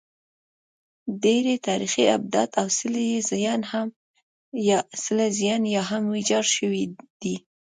ډېری تاریخي ابدات او څلي یې زیان یا هم ویجاړ شوي دي